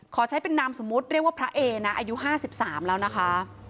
ขอใช้เป็นนามสมมุติเรียกว่าพระเอนะอายุ๕๓แล้วนะคะ